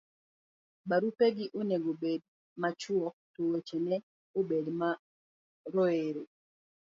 barupegi onego bed machuok to weche ne obed maoriere